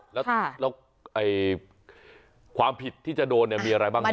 ค่ะแล้วไอความผิดที่จะโดนเนี้ยมีอะไรบ้างเนี้ย